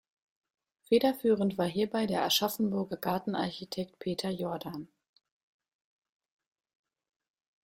Federführend war hierbei der Aschaffenburger Gartenarchitekt Peter Jordan.